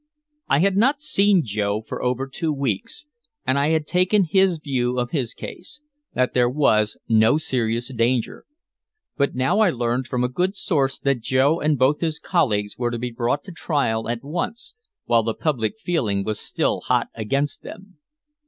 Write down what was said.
I had not seen Joe for over two weeks, and I had taken his view of his case, that there was no serious danger. But now I learned from a good source that Joe and both his colleagues were to be brought to trial at once, while the public feeling was still hot against them.